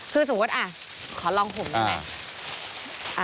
คือสมมุติขอลองผมได้ไหม